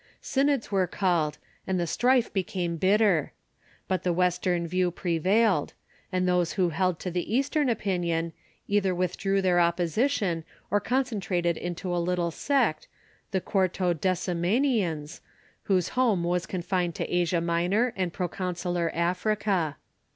Synods were called, and the strife became bitter. But the Western view prevailed ; and those who held to the Eastern opinion either withdrew their opposition or concentrated into a little sect, the Quartodecimanians, whose home Avas confined to Asia Minor and proconsular Africa.